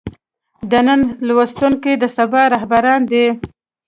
د نن لوستونکي د سبا رهبران دي.